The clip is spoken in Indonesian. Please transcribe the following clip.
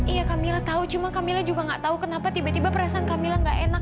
iya kamilah tahu cuma kamilah juga tidak tahu kenapa tiba tiba perasaan kamilah tidak enak